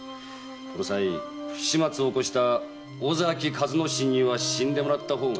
この際不始末を起こした尾崎一之進には死んでもらった方が。